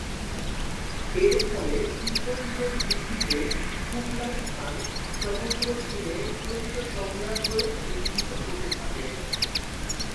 এরফলে তিব্বতীদের দৃষ্টিতে কুবলাই খান সমগ্র চীনের প্রকৃত সম্রাট হয়ে অভিহিত হতে থাকেন।